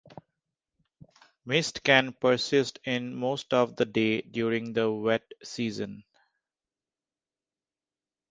Mist can persist in the most of the day during the wet season.